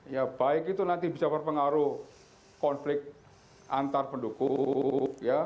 ya baik itu nanti bisa berpengaruh konflik antar pendukung ya